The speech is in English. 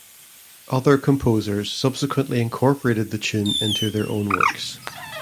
Other composers subsequently incorporated the tune in their own works.